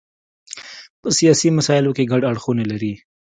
په سیاسي مسایلو کې ګډ اړخونه لري.